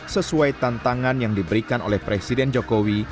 sesuai tantangan yang diberikan oleh presiden jokowi